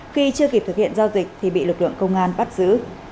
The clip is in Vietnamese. khi chưa kịp thực hiện giao dịch thì bị lực lượng công an bắt giữ